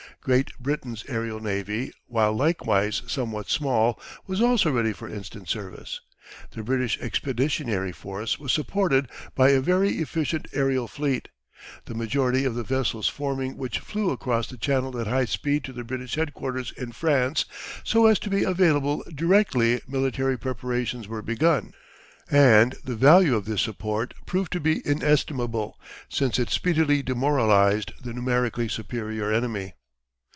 Great Britain's aerial navy, while likewise some what small, was also ready for instant service. The British Expeditionary force was supported by a very efficient aerial fleet, the majority of the vessels forming which flew across the Channel at high speed to the British headquarters in France so as to be available directly military preparations were begun, and the value of this support proved to be inestimable, since it speedily demoralised the numerically superior enemy.